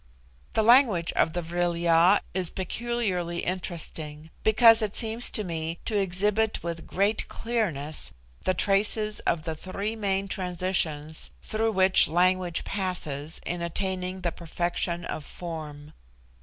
The language of the Vril ya is peculiarly interesting, because it seems to me to exhibit with great clearness the traces of the three main transitions through which language passes in attaining to perfection of form.